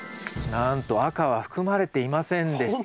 なんと赤は含まれていませんでした。